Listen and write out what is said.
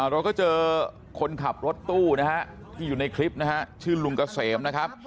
เราก็เจอคนขับรถตู้นะฮะที่อยู่ในคลิปชื่อลุงกระเสม